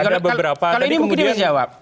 kalau ini mungkin dia menjawab